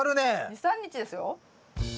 ２３日ですよ。